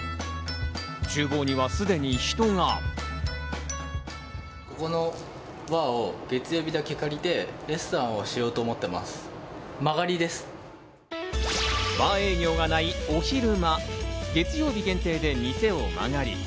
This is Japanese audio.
厨房には、すでに人が。バー営業がないお昼間、月曜日限定でお店を間借り。